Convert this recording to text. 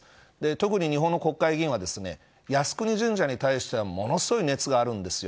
特に日本の国会議員は靖国神社に対してものすごい熱があるんですよ。